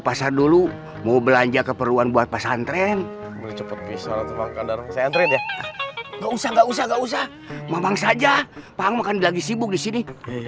pasar dulu mau belanja keperluan buat pesantren usah usah mamang saja panggilan disini